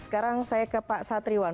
sekarang saya ke pak satriwan